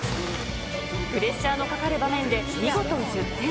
プレッシャーのかかる場面で、見事１０点。